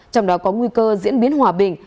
trong đó có nguy cơ diễn biến hòa bình